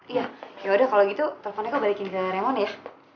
iya yaudah kalau gitu teleponnya kok balikin ke remon ya